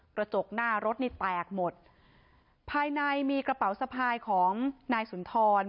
กระจกหน้ารถนี่แตกหมดภายในมีกระเป๋าสะพายของนายสุนทร